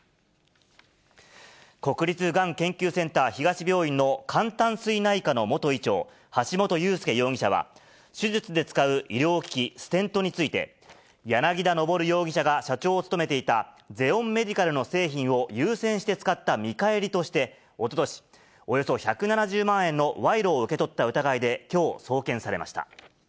国立がん研究センター東病院の肝胆膵内科の元医長、橋本裕輔容疑者は、手術で使う医療機器、ステントについて、柳田昇容疑者が社長を務めていたゼオンメディカルの製品を優先して使った見返りとして、おととし、およそ１７０万円の賄賂を受け取った疑いできょう送検されました。